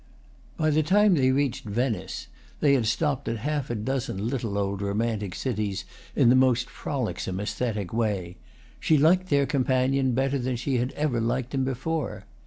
By the time they reached Venice (they had stopped at half a dozen little old romantic cities in the most frolicsome æsthetic way) she liked their companion better than she had ever liked him before.